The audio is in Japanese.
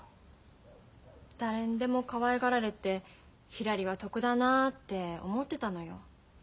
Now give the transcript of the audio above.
誰にでもかわいがられてひらりは得だなって思ってたのよ。